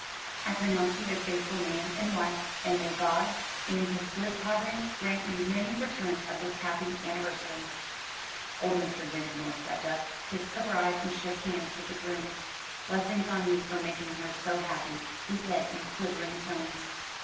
"I pronounce you a faithful man and wife: and may God, in his good providence, grant you many returns of this happy anniversary." Old Mr. Dinsmore stepped up, kissed the bride and shook hands with the groom. "Blessings on you for making her so happy," he said in quivering tones.